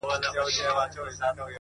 o لوبي وې؛